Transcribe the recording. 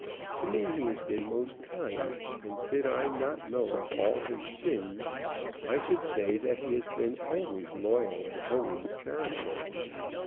To me he has been most kind, and did I not know of all his sins I should say that he had been always loyal and always charitable.